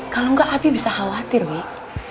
kalau gak abi bisa khawatir wih